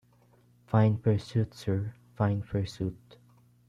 ‘Fine pursuit, sir — fine pursuit.